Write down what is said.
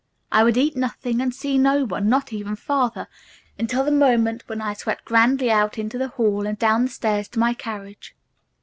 I would eat nothing, and see no one, not even father, until the moment when I swept grandly out into the hall and down the stairs to my carriage.